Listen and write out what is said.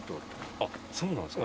あっそうなんですか？